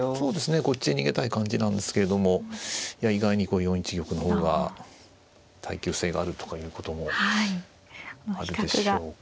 こっちへ逃げたい感じなんですけれどもいや意外にこう４一玉の方が耐久性があるとかいうこともあるでしょうか。